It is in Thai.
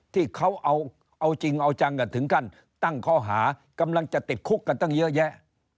ที่เขาเอาจริงเอาจังถึงขั้นตั้งข้อหากำลังจะติดคุกกันตั้งเยอะแยะ